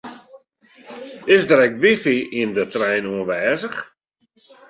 Is der ek wifi yn de trein oanwêzich?